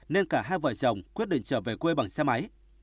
nên cả hai vợ chồng quyết định trở về quê bằng xe máy